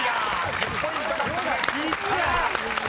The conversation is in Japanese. １０ポイント獲得です］